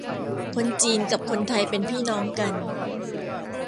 คนจีนกับคนไทยเป็นพี่น้องกัน